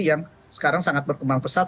yang sekarang sangat berkembang pesat